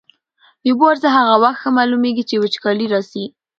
د اوبو ارزښت هغه وخت ښه معلومېږي چي وچکالي راسي.